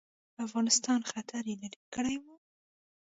افغانستان خطر یې لیري کړی وو.